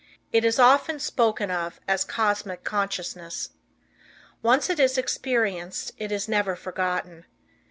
It is often spoken of as Cosmic Consciousness. Once it is experienced it is never forgotten.